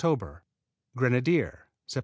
Grenadier Sept.